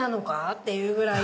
っていうぐらい。